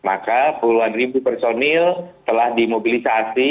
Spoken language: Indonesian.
maka puluhan ribu personil telah dimobilisasi